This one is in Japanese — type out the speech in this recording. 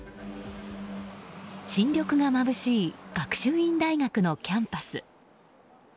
新緑がまぶしい学習院大学のキャンパス。